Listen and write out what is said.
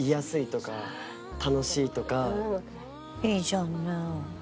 いいじゃんね。